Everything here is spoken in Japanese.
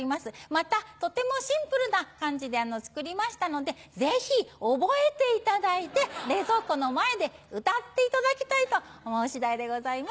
またとてもシンプルな感じで作りましたのでぜひ覚えていただいて冷蔵庫の前で歌っていただきたいと思う次第でございます。